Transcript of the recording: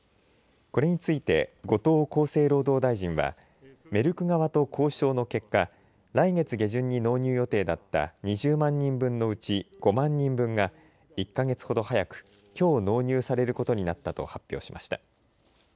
これについて後藤厚生労働大臣はメルク側と交渉の結果、来月下旬に納入予定だった２０万人分のうち５万人分が１か月ほど早く、きょう納入されることになったと発表しました。